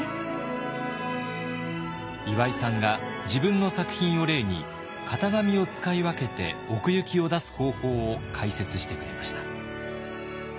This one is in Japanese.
岩井さんが自分の作品を例に型紙を使い分けて奥行きを出す方法を解説してくれました。